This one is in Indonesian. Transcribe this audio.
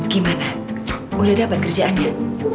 gimana udah dapat kerjaannya